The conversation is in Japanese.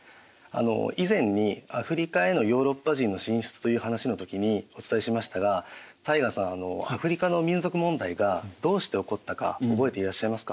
以前にアフリカへのヨーロッパ人の進出という話の時にお伝えしましたが汰雅さんアフリカの民族問題がどうして起こったか覚えていらっしゃいますか？